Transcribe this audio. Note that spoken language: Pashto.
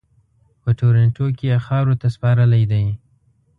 په ټورنټو کې یې خاورو ته سپارلی دی.